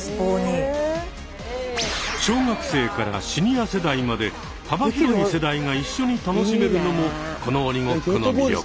小学生からシニア世代まで幅広い世代が一緒に楽しめるのもこの鬼ごっこの魅力。